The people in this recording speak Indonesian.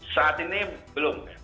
saat ini belum